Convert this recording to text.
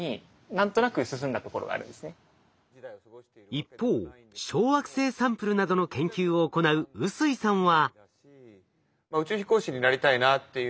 一方小惑星サンプルなどの研究を行う臼井さんは。